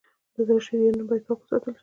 د زړه شریانونه باید پاک وساتل شي.